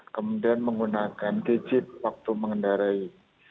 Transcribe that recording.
kemudian menggunakan digit waktu mengendarai